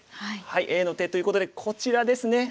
Ａの手ということでこちらですね。